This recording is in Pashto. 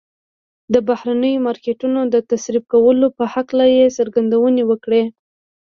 د بهرنيو مارکيټونو د تصرف کولو په هکله يې څرګندونې وکړې.